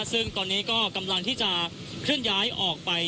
ซึ่งตอนนี้ก็กำลังที่จะเคลื่อนย้ายออกไป